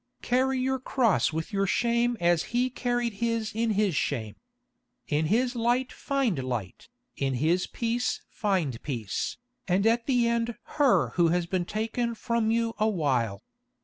Carry your cross with your shame as He carried His in His shame. In His light find light, in His peace find peace, and at the end her who has been taken from you awhile.